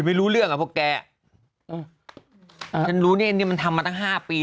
ไม่รู้เรื่องอ่ะเพราะแกฉันรู้นี่มันทำมาตั้งห้าปี